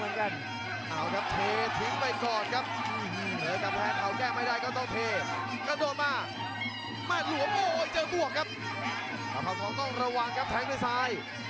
ละครังช่วยเอาไว้